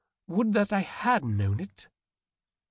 Would that I had known it !